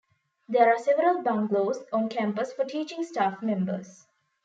There are several bungalows on campus for teaching staff members.